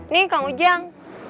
nih kang ujang